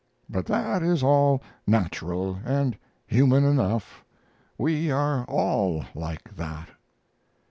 But that is all natural and human enough. We are all like that."